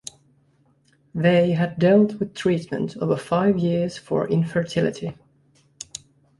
They had dealt with treatment over five years for infertility.